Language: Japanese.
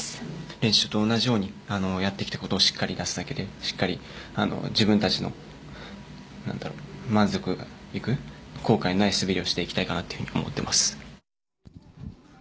練習と同じようにやってきたことをしっかり出すだけでしっかり自分たちの満足いく後悔ない滑りをしていきたいなと思っています。